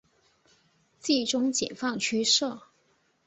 冀中解放区设。